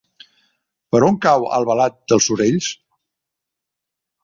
Per on cau Albalat dels Sorells?